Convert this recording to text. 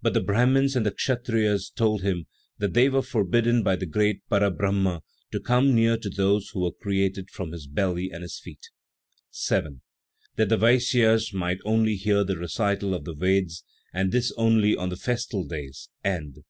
But the Brahmins and the Kshatnyas told him that they were forbidden by the great Para Brahma to come near to those who were created from his belly and his feet; 7. That the Vaisyas might only hear the recital of the Vedas, and this only on the festal days, and 8.